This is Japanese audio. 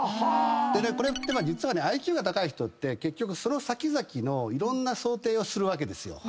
でねこれって実はＩＱが高い人ってその先々のいろんな想定をするわけですよ。